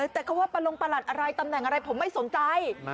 แต่คำว่าประลงประหลัดอะไรตำแหน่งอะไรผมไม่สนใจ